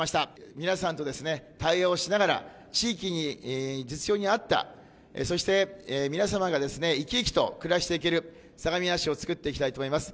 皆さんとですね、対話をしながら地域に実情に合った、そして皆様が生き生きと暮らしていける相模原市を作っていきたいと思います。